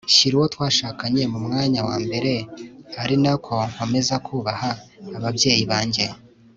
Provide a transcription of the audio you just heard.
nshyire uwo twashakanye mu mwanya wa mbere ari na ko nkomeza kubaha ababyeyi banjye